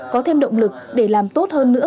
có thêm động lực để làm tốt hơn nữa